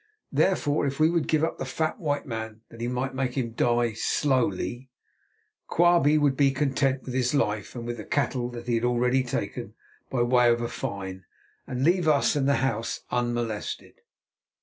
Therefore if we would give up the fat white man that he might make him "die slowly," Quabie would be content with his life and with the cattle that he had already taken by way of a fine, and leave us and the house unmolested.